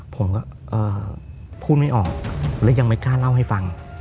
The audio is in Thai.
ผมก็พูดไม่ออกและยังไม่กล้าเล่าให้ฟัง